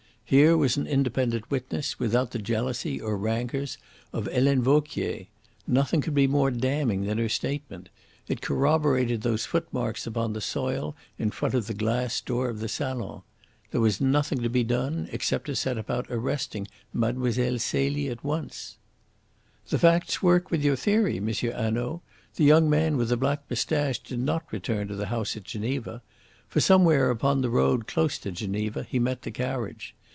Here was an independent witness, without the jealousy or rancours of Helene Vauquier. Nothing could be more damning than her statement; it corroborated those footmarks upon the soil in front of the glass door of the salon. There was nothing to be done except to set about arresting Mlle. Celie at once. "The facts work with your theory, M. Hanaud. The young man with the black moustache did not return to the house at Geneva. For somewhere upon the road close to Geneva he met the carriage.